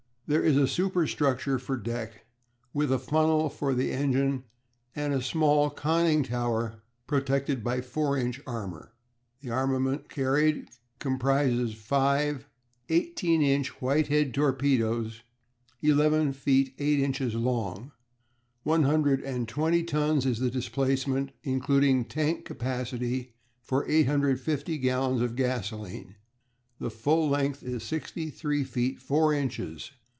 There is a superstructure for deck, with a funnel for the engine and a small conning tower protected by 4 inch armour. The armament carried comprises five 18 inch Whitehead torpedoes, 11 feet 8 inches long. One hundred and twenty tons is the displacement, including tank capacity for 850 gallons of gasolene; the full length is 63 feet 4 inches, with a beam of 11 feet 9 inches.